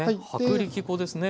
薄力粉ですね。